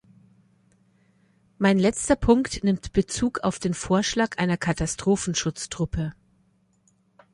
Mein letzter Punkt nimmt Bezug auf den Vorschlag einer Katastrophenschutztruppe.